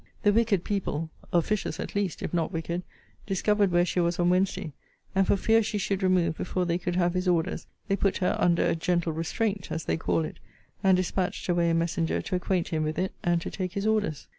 The wicked people (officious at least, if not wicked) discovered where she was on Wednesday; and, for fear she should remove before they could have his orders, they put her under a gentle restraint, as they call it; and dispatched away a messenger to acquaint him with it; and to take his orders.